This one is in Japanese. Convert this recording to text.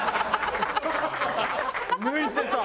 抜いてさ。